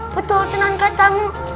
betul tenang katamu